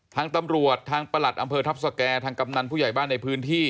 ทางตำรวจทางประหลัดอำเภอทัพสแก่ทางกำนันผู้ใหญ่บ้านในพื้นที่